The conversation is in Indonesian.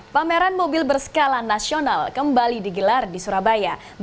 pameran mobil berskala nasional kembali digelar di surabaya